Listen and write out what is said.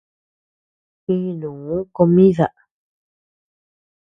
Inuu comida.